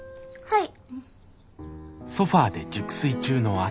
はい。